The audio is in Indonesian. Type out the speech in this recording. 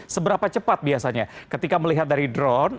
seberapa cepat biasanya ketika melihat dari drone